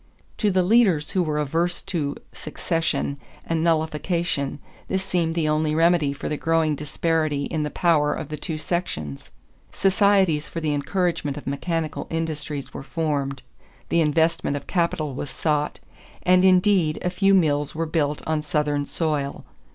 To the leaders who were averse to secession and nullification this seemed the only remedy for the growing disparity in the power of the two sections. Societies for the encouragement of mechanical industries were formed, the investment of capital was sought, and indeed a few mills were built on Southern soil.